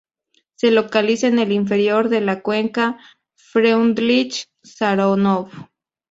Se localiza en el interior de la Cuenca Freundlich-Sharonov.